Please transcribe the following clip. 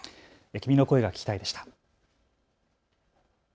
君の声が聴きたいでした。